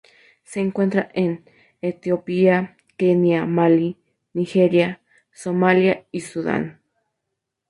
Se encuentra en Etiopía, Kenia, Malí, Nigeria, Somalia y Sudán.